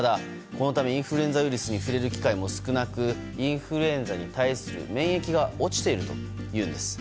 ただ、このためインフルエンザウイルスに触れる機会も少なくインフルエンザに対する免疫が落ちているというんです。